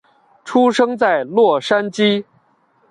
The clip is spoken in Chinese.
出生在洛杉矶。